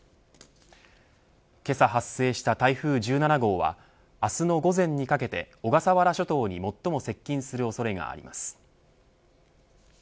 けさ発生した台風１７号は明日の午前にかけて小笠原諸島に最も接近する恐れがあります。